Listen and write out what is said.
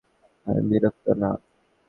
আমি বিরক্ত না!